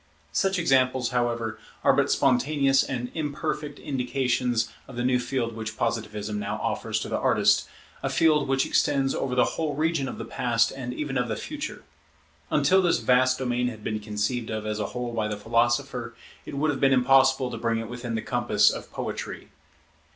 Such examples, however, are but spontaneous and imperfect indications of the new field which Positivism now offers to the artist; a field which extends over the whole region of the Past and even of the Future. Until this vast domain had been conceived of as a whole by the philosopher, it would have been impossible to bring it within the compass of poetry.